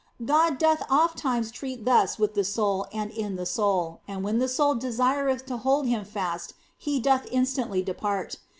God doth ofttimes treat thus with the soul and in the soul, and when the soul desireth 38 THE BLESSED ANGELA to hold Him fast He doth instantly depart.